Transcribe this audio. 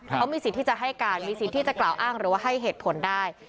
เขามีสิทธิ์ที่จะให้การมีสิทธิ์ที่จะกล่าวอ้างหรือว่าให้เหตุผลได้